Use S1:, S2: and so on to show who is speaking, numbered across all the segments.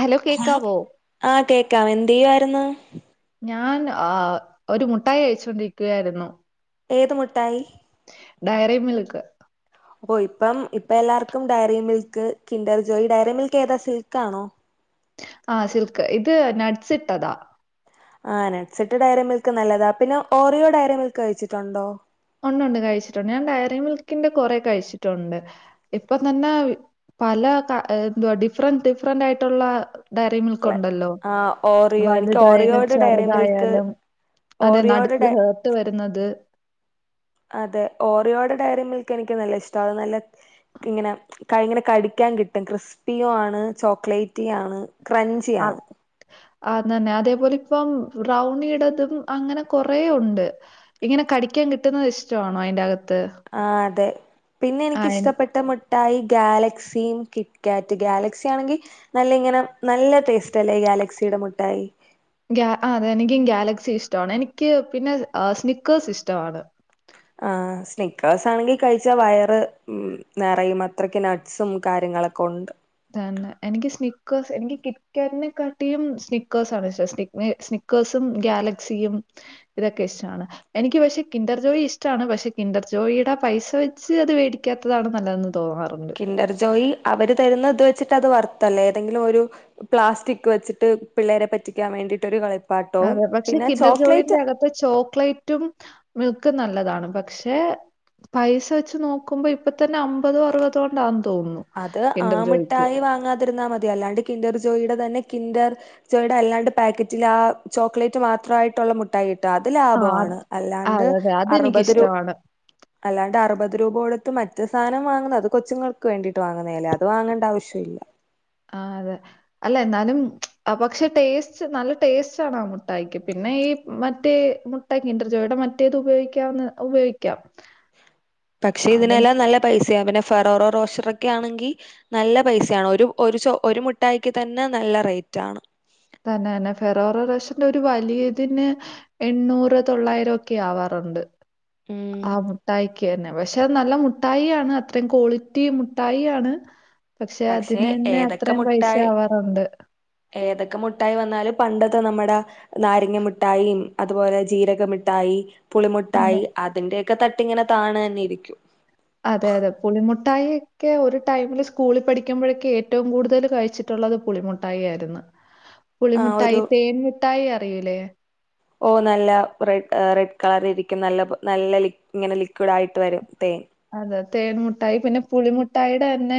S1: Hello കേക്കാവോ
S2: ആഹ് കേക്കാം എന്ത്‌യ്യായ്ര്ന്ന്
S1: ഞാൻ ആഹ് ഒരു മുട്ടായി കഴിച്ചൊണ്ടിരിക്കുകയായിരുന്നു
S2: ഏത് മുട്ടായി
S1: ഡയറി മിൽക്ക്
S2: ഓഹ് ഇപ്പം ഇപ്പല്ലാർക്കും Dairy Milk Kinder Joy Dairy Milk ഏതാ സിൽക്ക് ആണോ
S1: ആഹ് സിൽക്ക് ഇത് നട്ട്സ് ഇട്ടതാ
S2: ആഹ് നട്ട്സിട്ട ഡയറി മിൽക്ക് നല്ലതാ പിന്നെ ഓറിയോ ഡയറി മിൽക്ക് കഴിച്ചിട്ടുണ്ടോ
S1: ഉണ്ട് ഉണ്ട് കഴിച്ചിട്ടുണ്ട് ഞാൻ ഡയറി മിൽക്കിന്റെ കൊറേ കഴിച്ചിട്ടുണ്ട് ഇപ്പം തന്നെ പല ക ന്തുവാ ഡിഫറന്റ് ഡിഫറന്റ് ആയിട്ടുള്ള ഡയറി
S2: ഫ്ലെ
S1: മിൽക്കുണ്ടല്ലോ
S2: ആഹ് ഓറിയോ എനിക്ക്
S1: വലുതായാലും
S2: ഓറിയോട് ഡയറി മിൽക്ക്
S1: ചെറുതായാലും അതെ
S2: ഓറിയോട്
S1: നടുക്ക്
S2: ഡ
S1: ഹെർട്ട് വെരുന്നത്
S2: അതെ ഓറിയോടെ ഡയറി മിൽക്ക് എനിക്ക് നല്ല ഇഷ്ടം അത് നല്ല ഇങ്ങനെ ക ഇങ്ങനെ കടിക്കാൻ കിട്ടും ക്രിസ്പിയും ആണ് ചോക്ലേറ്റി ആണ് ക്രഞ്ചി ആണ്
S1: ആക്ക് ആഹ് അതെന്നെ അതേപോലെ ഇപ്പം ബ്രൗണിടതും അങ്ങനെ കൊറേ ഉണ്ട് ഇങ്ങനെ കടിക്കാൻ കിട്ടുന്നത് ഇഷ്ട്ടാണോ അയിന്റെ അകത്ത്
S2: ആഹ് അതെ പിന്നെ
S1: ആ
S2: എനിക്ക്ഷ്ടപ്പെട്ട മിട്ടാ ട്ടായി ഗാലക്സിയും കിറ്റ് കാറ്റ് ഗാലക്സി ആണെങ്കിൽ നല്ല ഇങ്ങനെ നല്ല ടേസ്റ്റ് അല്ലേ ഗാലക്സിയുടെ മുട്ടായി
S1: ഗാ അതെ എനിക്കും ഗാലക്സി ഇഷ്ടമാണ് എനിക്ക് പിന്നെ സ്നിക്കേഴ്സ് ഇഷ്ടമാണ്
S2: ആഹ് സ്നിക്കേഴ്സ് ആണെങ്കിൽ കഴിച്ചാ വയറ് നെറയും അത്രക്ക് ന സും കാര്യങ്ങളൊക്കെ ഉണ്ട്
S1: തന്നെ. എനിക്ക് സ്നിക്കേഴ്സ് എനിക്ക് കിറ്റ് ക്കാറ്റിനെ കാട്ടിയും സ്നിക്കേഴ്സ് ആാണ് സ്. ക്കേഴ്സും ഗാലക്സിയും ഇതൊക്കെ ഇഷ്ടാണ് എനിക്ക് പക്ഷെ കിന്റർ ജോയി ഇഷ്ടമാണ്. പക്ഷെ കിന്റർ ജോയുടെ പൈസ വെച്ച് അത് വേടി.. പിക്കാത്തതാണ് നല്ലതെന്ന് തോന്നാറുണ്ട്
S2: കിന്റർ ജോയി അവര് തരുന്ന ഇത് വെച്ചിട്ട് അത് വറത്തല്ലേ ഏതെങ്കിലും ഒരു പ്ലാസ്റ്റിക് വെച്ചിട്ട് പിള്ളേരെ പറ്റിക്കാൻ വേണ്ടിയിട്ട്ര കളി
S1: അതെ. പക്ഷെ കിന്റർജോയി ന്റെ അകത്ത് അ ചോക്ലേറ്റും മിൽക്കും നല്ലതാണ് പക്ഷെ പൈസ വെച്ച് നോക്കുമ്പോ ഇപ്പ തന്നെ അമ്പതോ അറുപതോ കൊണ്ടാ
S2: അത് ആമിട്ടായി വാങ്ങാതിരുന്നാ മതി അല്ലാണ്ട് കിന്റർ ജോയുടെ തന്നെ കിൻഡർ ജോയുടെ അല്ലാണ്ട് പാക്കറ്റിൽ ആ ചോക്ലേറ്റ് മാത്രമായിട്ടുള്ള മു.. ായിട്ട അത്
S1: ആ അത്-
S2: ലാഭമാണ്
S1: ആ,
S2: അല്ലാണ്ട്
S1: അതെ അതെ
S2: അറുപത് രൂ...
S1: അതെനിക്കിഷ്ടമാണ്.
S2: അല്ലാണ്ട് അറുപത് രൂപോടുത്ത് മറ്റേ സാധനം വാങ്ങുന്നത് അത് കൊച്ചുങ്ങൾ ക് വേണ്ടീട്ട് വാങ്ങന്നെ അല്ലെ അത് വാങ്ങേണ്ട ആവശ്യല്ല
S1: ആഹ് അതെ അല്ല എന്നാലും പക്ഷെ ടേസ്റ്റ് നല്ല ടേസ്റ്റ് ആണ് ആ മുഠായിക്ക് പിന്നെ ഈ മറ്റേ മു. ട്ടാ ക്കിന്റെ ർജോ ഇടെ മറ്റേത് ഉപയോഗിക്ക ഉപയോഗിക്കാം
S2: പക്ഷെ
S1: അതും
S2: ഇതിനെല്ലാം നല്ല പൈസയാ പിന്നെ ഫറോറോ റോഷറൊക്കെ ആണെങ്കി നല്ല പൈസയാണ്. ഒരു ഒരു മിഠായിക്ക് തന്നെ നല്ല റേറ്റ് ആണ്
S1: തന്നെ തന്നെ ഫെറോറ റോസിന്റെ ഒരു വലിയതിന് എണ്ണൂറ് തൊള്ളായിരം ഒക്കെ ആവാറുണ്ട്
S2: ഉം
S1: ആ മുട്ടായി കെ ന്നെ പക്ഷെ നല്ല മുഠായി ആണ് അത്രയും ക്വാളിറ്റി മുട്ടായി ആാണ് പക്ഷെ അതിനന്നെ
S2: ഏതൊക്കെ
S1: അത്രയും പൈസ
S2: മുട്ടായി
S1: ആവാറുണ്ട്
S2: ഏതൊക്കെ മുട്ടായി വന്നാലും പണ്ടത്തെ നമ്മടെ നാരങ്ങ മിട്ടായി അതുപോലെ ജീരകമിഠായി
S1: അതെ
S2: പുളിമുട്ടായി അതിന്റെക്കെ തട്ടിങ്ങനെ താണു തന്നെ ഇരിക്കും
S1: അതെ അതെ പുളിമുട്ടായിക്കെ ഒരു ടൈമില് സ്കൂളിൽ പഠിക്കുമ്പോഴക്കെ ഏറ്റവും കൂടുതൽ കഴിച്ചിട്ട് ട്ടുള്ളത് പുളിമുട്ടായി ആയിരുന്നു
S2: ആ
S1: പുളിമുട്ടായി
S2: ഒരു
S1: തേൻമുട്ടായി അറിയിൂലേ
S2: ഓഹ് നല്ല റെഡ റെഡ് കളർ ഇരിക്കും നല്ല നല്ല ഇങ്ങനെ ലിക്വിഡ് ആയിട്ട് വരും തേൻ
S1: അതെ തേൻ മുട്ടായി പിന്നെ പുളിമുട്ടായിയുടെ തന്നെ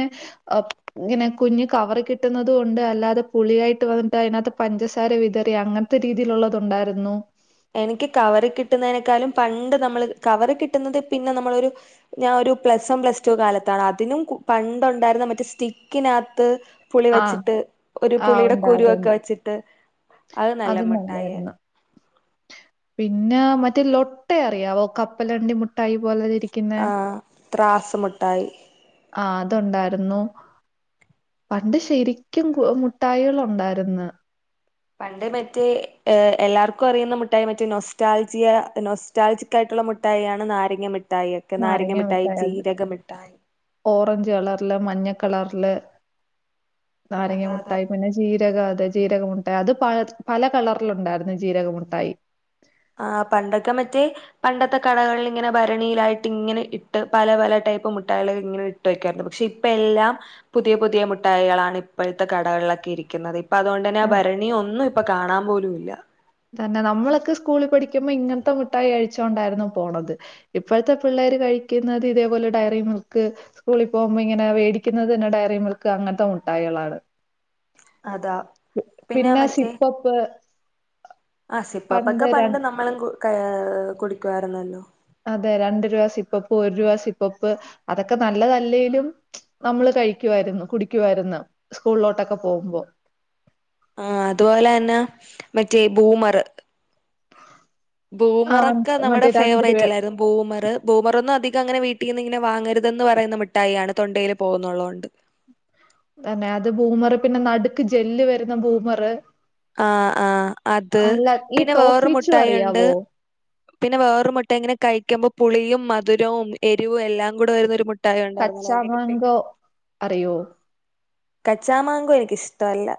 S1: ഇങ്ങനെ കുഞ്ഞ് കവറ് കിട്ടുന്നതും ഉണ്ട് അല്ലാതെ പുളിയായിട്ട് വന്നിട്ട് അതിനകത്ത് പഞ്ചസാര വിതറി അങ്ങന രീതിയിലുള്ളത് ഉണ്ടായിരുന്നു
S2: എനിക്ക് കവറ് കിട്ടുന്നതിനേക്കാളും പണ്ട് നമ്മൾ കവറ് കിട്ടുന്നത് പിന്നെ നമ്മളൊരു.. ഞാൻ ഒരു പ്ലസ് വൺ പ്ലസ് ടു കാലത്താണ്. അതിനും പണ്ടുണ്ടായിരുന്ന മറ്റ സ്റ്റിക്കിനകത്ത് പുളി
S1: ആഹ്
S2: വെച്ചിട്ട് ഒരു
S1: ആഹ്
S2: പുളിയുടെ
S1: ഉണ്ട്
S2: കുരുവൊക്കെ
S1: അതന്നെ.
S2: വെച്ചിട്ട് അത് നല്ല മുട്ടായിായിരുന്നു
S1: പിന്നെ മറ്റേ ലൊട്ട അറിയാവോ കപ്പലണ്ടി മുട്ടായി പോലെതരിക്ക
S2: ആഹ് ത്രാസമുട്ടായി
S1: ആഹ് അത്ണ്ടായിരുന്നു പണ്ട് ശരിക്കും മുട്ടായികളുണ്ടായിരുന്ന്
S2: പണ്ട് മറ്റേ എല്ലാർക്കും അറിയുന്ന മുട്ടായി മറ്റേ നൊസ്റ്റാൽജിയ നൊ സ് സ്റ്റാൽജിക്കായിട്ടുള്ള മിഠായി ആണ് നാരങ്ങ മിഠായി ഒക്കെ നാരങ്ങ മിഠായി ജീരക മിഠായി
S1: ഓറഞ്ച് കളറില് മഞ്ഞ കളറില് നാരങ്ങ
S2: അതെ അതെ
S1: മുട്ടായി പിന്നെ.. ജീരകം അതെ ജീരകമുട്ടായി അത് പ പല കളറിലുണ്ടായിരുന്നു ജീരക മുട്ടായി
S2: ആഹ് പണ്ടൊക്കെ മറ്റേ പണ്ടത്തെ കടകളിൽ ഇങ്ങനെ ഭരണിയിലായിട്ട് ഇങ്ങനെ ഇട്ട് പല പല ടൈപ്പ് മുട്ടായികളക്കെ ഇങ്ങനെ ഇ മുട്ടക്കരുന്നു പക്ഷെ ഇപ്പ എല്ലാം പുതിയ പുതിയ മുട്ടായികളാണ് ഇപ്പോഴത്തെ കടകളിലൊക്കെ ഇരിക്കുന്നത് അപ്പൊ അതുകൊണ്ട് തന്നെ ആ ഭരണിയ ഒന്നും ഇപ്പൊ കാണാൻ പോലും ഇല്ല
S1: തന്നെ നമ്മളൊക്കെ സ്കൂളിൽ പഠിക്കുമ്പോ ഇങ്ങനത്തെ മുഠായി കഴിച്ചോൊണ്ടായിരുന്നു പോണത് ഇപ്പോഴത്തെ പിള്ളേർ കഴിക്കുന്നത് ഇതേപോലെ ഡയറി മിൽക്ക് സ്കൂളിൽ പോകുമ്പോ ഇങ്ങനെ വേടിക്കുന്നത് തന്നെ ഡയറി മിൽക്ക് അങ്ങനത്തെ മുഠായികളാണ്
S2: അതാ
S1: പിന്നെ സിപ്പപ്പ്
S2: ആഹ് സിപ്പപ്പൊക്കെ പണ്ട് നമ്മളും കുടിക്കുവാരുന്നല്ലോ
S1: അതെ രണ്ട് രൂപ സിപ്പപ്പ് ഒരു രൂപ സിപ്പപ്പ് അതൊക്കെ നല്ലതല്ലേലും നമ്മള് കഴിക്കുവരുന്നു കുടിക്കുവായിരുന്നു സ്കൂളിലോട്ടൊക്കെ പോകുമ്പോ
S2: ആഹ് അതുപോലെ തന്നെ മറ്റേ ബൂമർ
S1: ആ
S2: ഭൂമറൊക്കെ നമ്മുടെ
S1: മറ്റേ രണ്ട് രൂപ
S2: ഫേവറേറ്റ് ആല്ലായിരുന്നു ബൂമർ ബൂമറൊന്നും അധികം അങ്ങനെ വീട്ടിൽ നിന്ന് ഇങ്ങനെ വാങ്ങരുതെന്ന് പറയുന്ന മിഠായിയാണ് തൊണ്ടയിയില് പോകുന്നുള്ളത് കൊണ്ട്
S1: തന്നെ അത് ബൂമർ പിന്നെ നടുക്ക് ജെല്ല് വരുന്ന ബൂമർ
S2: ആഹ് ആഹ് അത്
S1: അല്ല ഈ
S2: പിന്നെ വേറ
S1: ടോഫിച്ചു
S2: മുഠായി ഉണ്ട്
S1: അറിയാവോ
S2: പിന്നെ വേറൊരു മുട്ടയി ഇങ്ങനെ കഴിക്കുമ്പോ പുളിയും മധുരവും എരിവും എല്ലാം കൂടെ വരുന്നരു മു ഠായി ഉണ്ടായിരുന്നല്ല അനക്കപ്പ
S1: കച്ചാമാങ്കോ അറിയോ
S2: കച്ചാമാങ്കോ എനക്ക് ഇഷ്ടമല്ല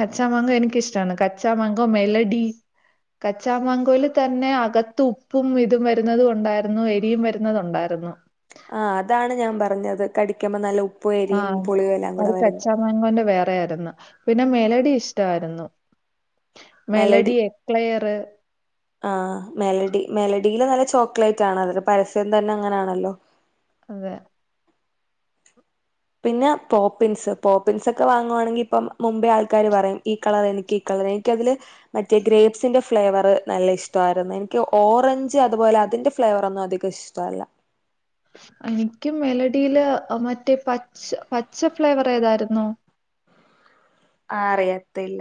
S1: കച്ചാമംഗോ എനിക്കിഷ്ടമാണ് കച്ചാമംഗോ മെലഡി കച്ചാമാങ്കോലൽ തന്നെ അകത്ത് ഉപ്പും ഇതും വരുന്നുന്നതും ഉണ്ടായിരുന്നു എരിയും വരുന്നതു ഉണ്ടായിരുന്നു
S2: ആഹ് അതാണ് ഞാൻ പറഞ്ഞത് കടിക്കുമ്പോ നല്ല ഉപ്പു അരിയും പുളിയും എല്ലാം കൂടെ വരുന്ന
S1: അണ്ട് വേറെ ആയിരുന്നു പിന്നെ മെലഡി ഇഷ്ടമായിരുന്നു മെലഡി യക്ലെയറ്
S2: ആഹ് മെലഡി മെലഡിയില് നല്ല ചോക്ലേറ്റ് ആണ് അതില് പരസ്യം തന്നെ അങ്ങനെണല്ലോ
S1: അതെ
S2: പിന്നെ പോപ്പിൻസ് പോപ്പിൻസ് ഒക്കെ വാങ്ങുവാണെങ്കിൽ ഇപ്പം മുമ്പേ ആൾക്കാര് പറയും ഈ കളർ എനിക്ക് ഈ കളർ എനിക്ക് അതില് മറ്റേ ഗ്രേപ്സിന്റെ ഫ്ലേവർ നല്ല ഇഷ്ടമായിരുന്നു എനിക്ക് ഓറഞ്ച് അതുപോലെ അതിന്റെ ഫ്ലേവറ ഒന്നും അധികം ഇഷ്ട ഇഷ്ടല്ലാ
S1: എനിക്ക് മെലഡിയില് മറ്റേ പച്ച പച്ച ഫ്ലേവർ ഏതാരുന്നു
S2: ആഹ് അറിയാത്തില്ല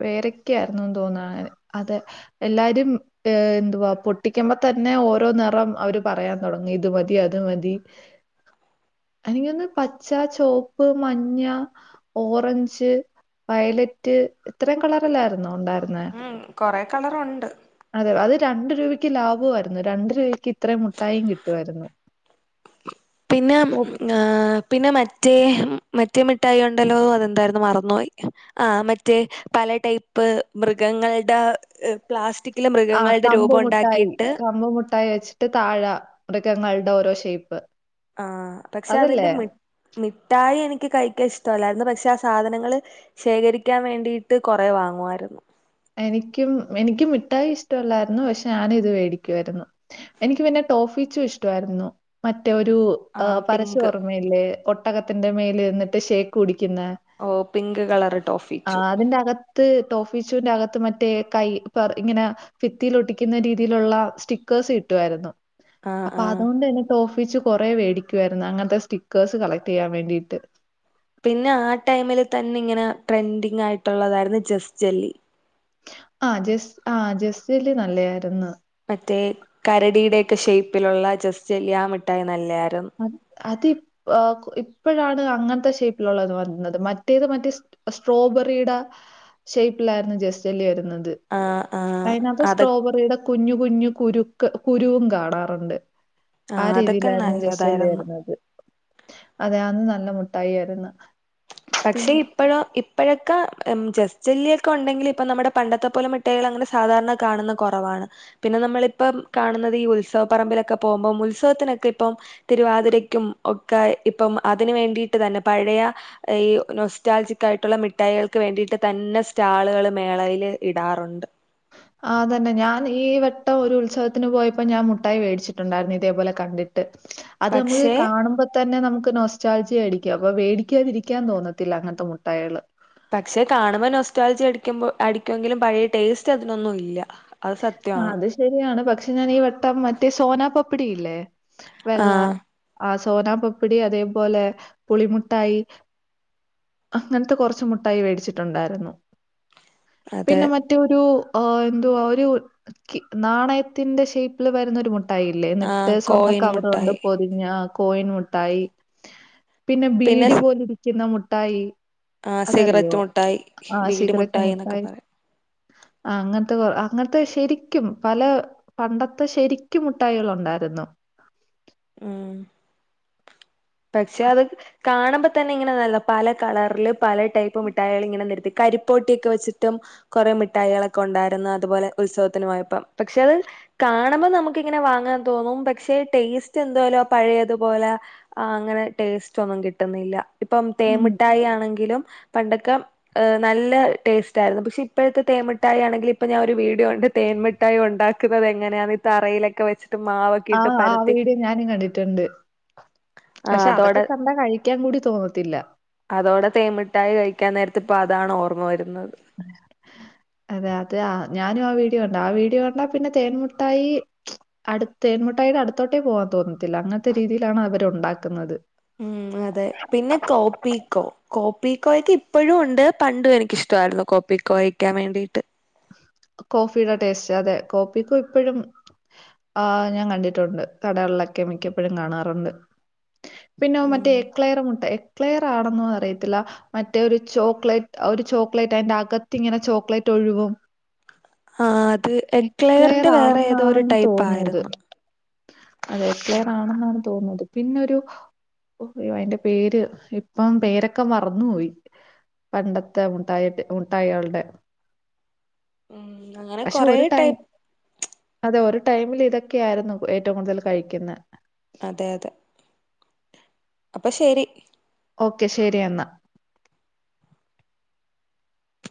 S1: പേരെക്ക ആയിരുന്നുന്ന് തോന്നാണ് അത എല്ലാരും എന്തുവാ പൊട്ടിക്കുമ്പോ തന്നെ ഓരോ നേറം അവര് പറയാൻ തുടങ്ങി ഇത് മതി അത് മതി എനിങ്ങ ഒന്ന് പച്ച ചുവപ്പ് മഞ്ഞ ഓറഞ്ച് വയലറ്റ് ഇത്രയും കളർല്ലായിരുന്നോ ഉണ്ടായിരുന്നേ
S2: ഉം കുറെ കളറുണ്ട്
S1: അതെ അത് രണ്ട് രൂപയ്ക്ക് ലാഭമായിരുന്നു രണ്ട് രൂപയ്ക്ക് ഇത്രയും മുട്ടായും കിട്ടുവായിരുന്നു
S2: പിന്നെ ആഹ് പിന്നെ മറ്റേ മറ്റേ മിട്ടായി ഒണ്ടല്ലോ അതെന്തായിരുന്നു മറന്നുപോയി ആഹ് മറ്റേ പല ടൈപ്പ് മൃഗങ്ങളുടെ പ്ലാസ്റ്റിക്കില്
S1: ആ
S2: മൃഗങ്ങളുടെ
S1: കമ്പ്
S2: രൂപം
S1: മുട്ടായി
S2: ഉണ്ടാക്കിയിട്ട്
S1: കമ്പ് മുട്ടായി വെച്ചിട്ട് താഴെ മൃഗങ്ങളുടെ ഓരോ ഷേപ്പ്
S2: ആഹ് പക്ഷെ അതിന്റെ
S1: അതല്ലേ
S2: മിഠായി എനിക്ക് കഴിക്കാൻ ഇഷ്ടല്ലായിരുന്നു പക്ഷെ ആഹ് സാധനങ്ങള് ശേഖരിക്കാൻ വേണ്ടിയിട്ട് കൊറെ വാങ്ങുമായിരുന്നു
S1: എനിക്കും എനക്കും മിഠായി ഇഷ്ടമല്ലായിരുന്നു പക്ഷെ ഞാൻ ഇത് മേടിക്കുവായിരുന്നു എനിക്ക് പിന്നെ ടോഫിച്ചും ഇഷ്ടമായിരുന്നു മറ്റേരു
S2: ആ
S1: ആഹ് പരസ്യം
S2: പിങ്ക്
S1: ഓർമയില്ലേ ഒട്ടകത്തിന്റെ മേൽ നിന്നിട്ട് ഷേക്ക് കുടിക്കുന്ന
S2: ഓ പിങ്ക് കളറ് ടോഫിച്ചു
S1: ആഹ് അതിന്റെ അകത്ത് ടോഫി ച്ചുന്റെ അക്കത്ത് മറ്റെ കൈ പർ ഇങ്ങനെ ഫിത്തിൽ ഒട്ടിക്കുന്ന രീതിയിലുള്ള സ്റ്റിക്കേഴ്സ് കിട്ടുവായിരുന്നു
S2: ആ
S1: അപ്പൊ
S2: ആ
S1: അതുകൊണ്ട് തന്നെ ടോഫീച്ച് കൊറേ വേടിക്കുവായിരുന്നു അങ്ങനത്തെ സ്റ്റിക്കേഴ്സ് കളക്ട് ചെയ്യാൻ വേണ്ടീട്ട്
S2: പിന്നെ ആഹ് ടൈമിൽ തന്നെ ഇങ്ങനെ ട്രെൻഡിങ് ആയിട്ടുള്ളതായിരുന്നു ജെസ് ജെല്ലി
S1: ആഹ് ജസ് ആഹ് ജസ് ജല്ലി നല്ലതായിരുന്നു
S2: മറ്റേ കരടിയുടെക്കെ ഷെയ്പ്പ്ലുള്ള ജസ്റ്റ് ജെല്ലി ആഹ് മിട്ടായി നല്ലതായിരുന്നു
S1: അത് അതീപ്പ് ഓഹ് ഇപ്പഴാണ് അങ്ങനത്തെ ഷേപ്പിലുള്ളത് വന്നത് മറ്റത് മറ്റേ സ് സ്ട്രോബെറിയുടെ ഷേപ്പിലായിരുന്നു ജസ് ജല്ലി വരുന്നത്
S2: ആഹ് ആഹ്
S1: അതിനകത്ത്
S2: അതൊ
S1: സ്ട്രോബെറിയുടെ കുഞ്ഞു കുഞ്ഞു കുരുക്ക് കുരുവും കാണാറുണ്ട്
S2: ആഹ് അതൊക്കെ നല്ലതായിരുന്നു
S1: അത് അതെ അന്ന് നല്ല മുട്ടായി ആയിരുന്നു
S2: പക്ഷെ
S1: പിന്നെ
S2: ഇപ്പഴോ ഇപ്പഴൊക്കെ ജസ് ജല്ലിയൊക്കെ ഒണ്ടെങ്കിൽ ഇപ്പൊ നമ്മുടെ പണ്ടത്തെ പോലെ മിട്ടായികൾ അങ്ങനെ സാധാരണ കാണുന്ന കൊറവാണ് പിന്നെ നമ്മളിപ്പം കാണുന്നത് ഈ ഉത്സവപറമ്പിലൊക്കെ പോകുമ്പം ഉത്സവത്തിനൊക്കെ ഇപ്പം തിരുവാതിരക്കും ഒക്കെ ഇപ്പം അതിന് വേണ്ടിയിട്ട് തന്നെ പഴയ ഈ നൊസ്റ്റാൾജിക്കായിട്ടുള്ള മിഠായികൾക്ക് വേണ്ടിയിട്ട് തന്നെ സ്റ്റാളുകള് മേളയില് ഇടാറുണ്ട്
S1: ആഹ് തന്നെ ഞാൻ ഈ വട്ട ഒരു ഉത്സവത്തിന് പോയപ്പോ ഞാൻ മുട്ടായി മേടിച്ചിട്ടുണ്ടായിരുന്നു ഇതേപോലെ കണ്ടിട്ട് അത് നമുക്ക്
S2: പക്ഷേ
S1: കാണുമ്പ തന്നെ നമുക്ക് നൊസ്റ്റാൾജി അടിക്കും അപ്പ വേടിക്കാതിരിക്കാൻ തോന്നത്തില്ല അങ്ങനത്തെ മുട്ടായികള്
S2: പക്ഷെ കാണുമ്പം നോസ്റ്റാളജി അടിക്കുമ്പോ അടിക്കൊങ്കിലും പഴയ ടേസ്റ്റ് അതിനൊന്നും ഇല്ല അത്
S1: ആഹ്
S2: സത്യമാണ്
S1: അത് ശരിയാണ് പക്ഷെ ഞാൻ ഈ വട്ടം മറ്റേ സോനാ പപ്പടില്ലേ വെള്ള
S2: ആഹ്
S1: ആ സോനാ പപ്പിടി അതേപോലെ പുളിമുട്ടായി അങ്ങനത്തെ കൊറച്ച് മുട്ടായി മേടിച്ചിട്ടുണ്ടായിരുന്നു
S2: അതെ
S1: പിന്നെ മറ്റേ ഒരു എന്തുവാ [unintelligible] നാണയത്തിന്റെ ഷേപ്പിൽ വരുന്ന ഒരു മുട്ടാ ട്ടായില്ലേ ന്നിട്ട്
S2: ആഹ്
S1: സ്വർണ
S2: കോയിൻ
S1: കവറ് കൊണ്ട്
S2: മുട്ടായി
S1: പൊ പിന്നാ കോയിൻ മുട്ടായി പിന്നെ ബീഡി പോലെ ഇരിക്കുന്ന മുട്ടായി
S2: ആഹ്
S1: അതറിയോ
S2: സിഗരറ്റ് മുട്ടായി
S1: ആ
S2: ബീഡി
S1: സിഗരറ്റ്
S2: എന്നൊക്കെ
S1: മുട്ടായി
S2: പറയും
S1: ആഹ് അങ്ങനത്തെ കൊ ആഹ് അങ്ങനത്തെ ശരിക്കും പല പണ്ടത്തെ ശരിക്കും മുട്ടായികളുണ്ടായിരുന്നു
S2: ഉം പക്ഷെ അത് കാണുമ്പോ തന്നെ ഇങ്ങനെ നല്ല പല കളറില് പല ടൈപ്പ് മിഠായികൾ ഇങ്ങനെ നെരത്തി കരിപ്പോട്ടിയൊക്കെ വെച്ചിട്ടും കൊറേ മിഠായികളൊക്കെ ഉണ്ടായിരുന്നു അതുപോലെ ഉത്സവത്തിനു പോയപ്പം പക്ഷെ അത് കാണുമ്പം നമ്മക്കിങ്ങനെ വാങ്ങാൻ തോന്നും പക്ഷെ ടേസ്റ്റ് എന്തായാലും ആ പഴയതുപോലെ ആഹ് അങ്ങനെ ടേസ്റ്റ് ഒന്നും കിട്ടുന്നില്ല ഇപ്പം
S1: ഉം.
S2: തേൻമിട്ടായി ആണെങ്കിലും പണ്ടൊക്കെ ഹ് നല്ല ടേസ്റ്റായിരുന്നു പക്ഷെ ഇപ്പഴത്തെ തേൻ മുട്ടായി ആണെങ്കിൽ ഇപ്പൊ ഞാൻ ഒരു വീഡിയോ കണ്ട് തേൻ മു ട്ടായി ഉണ്ടാക്കുന്നത് എങ്ങനെയാന്ന് ഈ തറയിലൊക്കെ വെച്ചിട്ട് മാവൊ
S1: ആഹ് ആഹ് ആ വീഡിയോ ഞാനും കണ്ടിട്ടുണ്ട്
S2: ആ
S1: പക്ഷെ അതൊക്കെ
S2: അതോടെ
S1: കണ്ടാ കഴി ക്കാൻ കൂടി തോന്നത്തില്ല
S2: അതോടെ തേൻ മിട്ടായി കഴിക്കാൻ നേരത്തിപ്പൊ അതാണ് ഓർമ്മ വരുന്നത്
S1: [inaudible] അതെ അതെ ആ ഞാനും ആ വീഡിയോ കണ്ടു ആ വീഡിയോ കണ്ടാ പിന്നെ തേൻമുട്ടായി അടുത്തെ തേന്മുട്ടായിയുടെ അടുത്തോട്ടേ പോവാൻ തോന്നത്തില്ല അങ്ങനത്തെ രീതിയിലാണ് അവര് ഉണ്ടാക്കുന്നത്
S2: ഉം അതെ പിന്നെ കോപ്പികോ കോപ്പിക്കോയ്ക്ക് ഇപ്പഴും ഉണ്ട് പണ്ടും എനിക്കിഷ്ടവായിരുന്നു കോ പ്പിക്കോ കഴിക്കാൻ വേണ്ടിയിട്ട്
S1: കോഫിയുടെ ടേസ്റ്റ് അതെ കോപ്പിക്കോ ഇപ്പഴും ആഹ് ഞാൻ കണ്ടിട്ടുണ്ട് കടകളിലൊക്കെ മിക്കപ്പഴും കാണാറുണ്ട് പിന്നെ ആ മറ്റേ എക്ലെയർ മുട്ട എക്ലെയർ ആണെന്നോ അറിയത്തില്ല മറ്റേ ഒരു ചോക്ലേറ്റ് ഒരു ചോക്ലേറ്റ് അതിന്റെ അകത്ത് ഇങ്ങനെ ചോക്ലേറ്റ് ഒഴുകും
S2: ആഹ് അത്
S1: എക്ലെയർ
S2: എക്ലെയറിന്റെ വേറെ ഏതോ ഒരു
S1: ആണെന്നാണെന്ന്
S2: ടൈപ്പ്
S1: തോന്നുന്നത്.
S2: ആയിരുന്നു
S1: അതെ എക്ലയറാണെന്നാണ് തോന്നുന്നത് പിന്നൊരു യൊ അയിന്റെ പേര് ഇപ്പം പേരൊക്കെ മറന്നൊയി പണ്ടത്തെ മുട്ടായിട്ട് മുട്ടായാളുടെ
S2: [inaudible] [unintelligible]
S1: പക്ഷെ ഒരു ടൈം
S2: ടൈപ്പ്
S1: അതെ ഒരു ടൈമിൽ ഇതൊക്കെയായിരുന്നു ഏറ്റവും കൂടുതൽ കഴിക്കുന്നെ
S2: അതെ അതെ അപ്പ ശരി
S1: ഓക്കെ ശരി എന്നാ